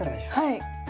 はい。